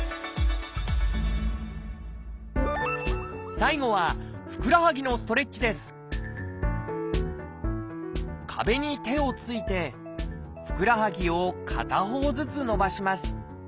最後は壁に手をついてふくらはぎを片方ずつ伸ばします。